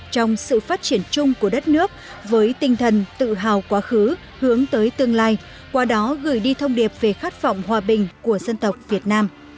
trong sự phát triển chung của đất nước với tinh thần tự hào quá khứ hướng tới tương lai qua đó gửi đi thông điệp về khát vọng hòa bình của dân tộc việt nam